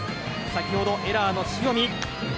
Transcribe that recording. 先ほどエラーの塩見。